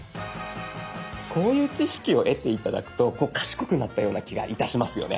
こういう知識を得て頂くと賢くなったような気がいたしますよね。